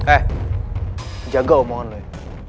eh jago omongan lo ya